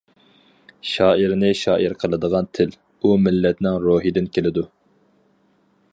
«شائىرنى شائىر قىلىدىغان تىل، ئۇ مىللەتنىڭ روھىدىن كېلىدۇ» .